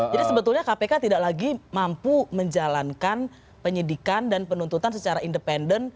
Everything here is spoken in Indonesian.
jadi sebetulnya kpk tidak lagi mampu menjalankan penyidikan dan penuntutan secara independen